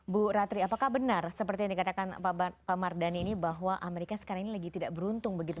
bu ratri apakah benar seperti yang dikatakan pak mardhani ini bahwa amerika sekarang ini lagi tidak beruntung begitu